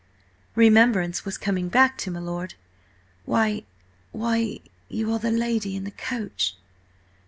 Remembrance was coming back to my lord. "Why–why–you are the lady in the coach!